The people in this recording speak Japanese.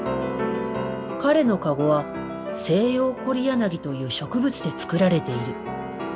彼のかごはセイヨウコリヤナギという植物で作られている。